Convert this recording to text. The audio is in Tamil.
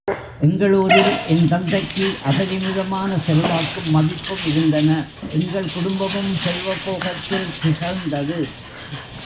எங்கள் ஊரில் என் தந்தைக்கு அபரிமிதமான செல்வாக்கும் மதிப்பும் இருந்தன எங்கள் குடும்பமும் செல்வபோகத்தில் திகழ்ந்தது.